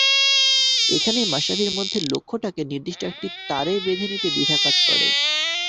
এখানেই মাশরাফির মধ্যে লক্ষ্যটাকে নির্দিষ্ট একটি তারে বেঁধে নিতে দ্বিধা কাজ করে।